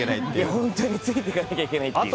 本当ついていかなきゃいけないっていう。